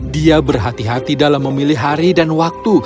dia berhati hati dalam memilih hari dan waktu